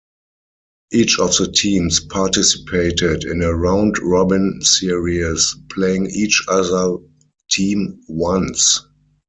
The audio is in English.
Each of the teams participated in a round-robin series, playing each other team once.